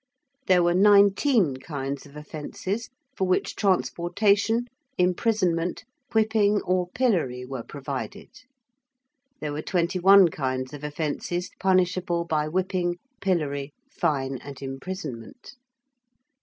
There were nineteen kinds of offences for which transportation, imprisonment, whipping, or pillory were provided: there were twenty one kinds of offences punishable by whipping, pillory, fine and imprisonment.